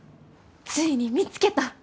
ついに見つけた。